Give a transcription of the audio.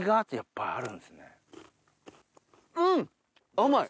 甘い。